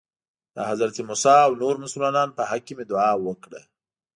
د حضرت موسی او نورو مسلمانانو په حق کې مې دعا وکړه.